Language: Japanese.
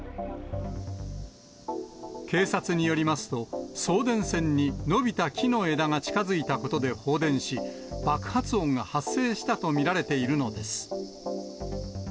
警察によりますと、送電線に伸びた木の枝が近づいたことで放電し、爆発音が発生したと見られているのです。